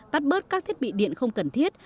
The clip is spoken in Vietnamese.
tắt bớt các thiết bị điện không cần thiết